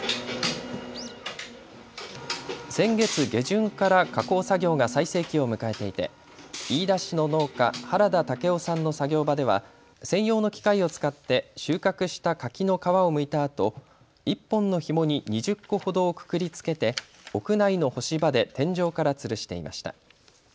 先月下旬から加工作業が最盛期を迎えていて、飯田市の農家、原田健夫さんの作業場では専用の機械を使って収穫した柿の皮をむいたあと１本のひもに２０個ほどをくくりつけて屋内の干し場で天井からつるしていました。